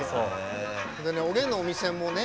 おげんのお店もね